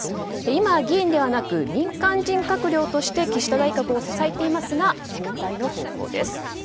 今、議員ではなく民間人閣僚として岸田内閣を支えていますが交代の方向です。